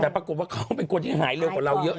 แต่ปรากฏว่าเขาเป็นคนที่หายเร็วกว่าเราเยอะ